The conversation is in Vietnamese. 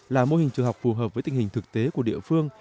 là mô hình trường học phù hợp với tình hình thực tế của địa phương